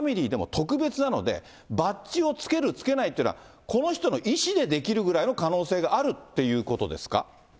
いわゆるキムファミリーでも特別なので、バッジをつけるつけないというのは、この人の意思でできるぐらいの可能性があるっていうことですか？